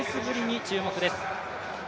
予選のレースぶりに注目です。